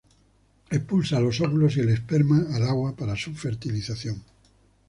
Expulsa los óvulos y el esperma al agua para su fertilización.